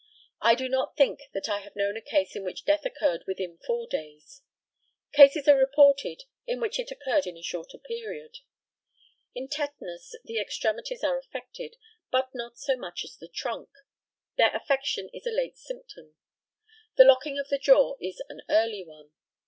I do not think that I have known a case in which death occurred within four days. Cases are reported in which it occurred in a shorter period. In tetanus the extremities are affected, but not so much as the trunk. Their affection is a late symptom. The locking of the jaw is an early one.